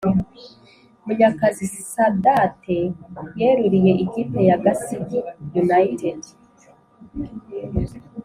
munyakazi sadate yeruriye ikipe ya gasigi united